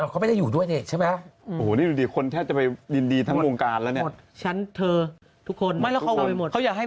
เขาไม่ได้อยู่ด้วยนี่ใช่ไหม